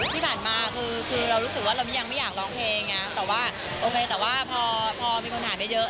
ที่ผ่านมาคือเรารู้สึกว่าเรายังไม่อยากร้องเพลงไงแต่ว่าโอเคแต่ว่าพอมีคนถามเยอะ